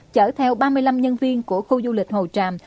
chở theo ba mươi năm nhân viên của khu du lịch hồ tràm